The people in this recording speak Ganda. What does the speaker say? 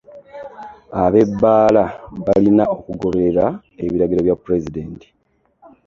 Ab'ebbaala balina okugoberera ebiragiro bya pulezidenti.